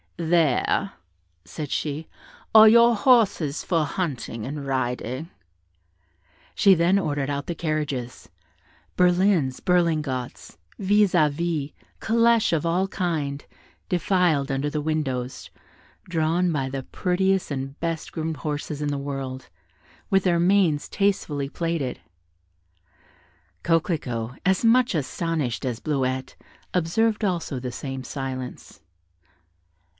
"There," said she, "are your horses for hunting and riding." She then ordered out the carriages: berlins, berlingots, vis à vis, calêches of all kinds, defiled under the windows, drawn by the prettiest and best groomed horses in the world, with their manes tastefully plaited. Coquelicot, as much astonished as Bleuette, observed also the same silence.